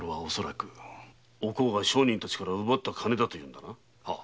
お甲が商人たちから奪った金だというんだな。